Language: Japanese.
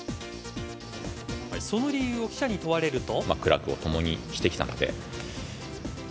その理由を記者に問われると。